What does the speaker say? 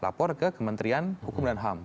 lapor ke kementerian hukum dan ham